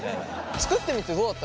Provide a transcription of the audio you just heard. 作ってみてどうだった？